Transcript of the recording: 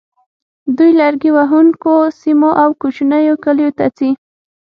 دوی لرګي وهونکو سیمو او کوچنیو کلیو ته ځي